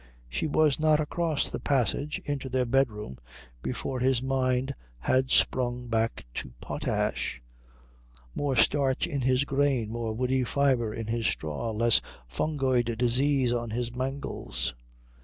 She was not across the passage into their bedroom before his mind had sprung back to potash. More starch in his grain, more woody fibre in his straw, less fungoid disease on his mangels....